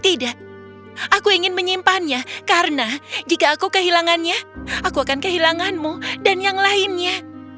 tidak aku ingin menyimpannya karena jika aku kehilangannya aku akan kehilanganmu dan yang lainnya